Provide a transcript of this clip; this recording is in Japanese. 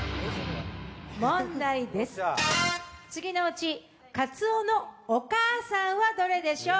問題です、次のうちかつおのお母さんはどれでしょう。